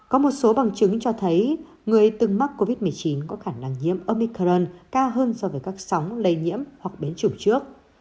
có một số bằng chứng cho thấy người từng mắc covid một mươi chín có khả năng nhiễm omicron cao hơn so với các sóng lây nhiễm hoặc biến chủng trước